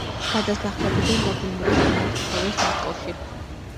გადასახლებიდან დაბრუნების შემდეგ ცხოვრობს მოსკოვში.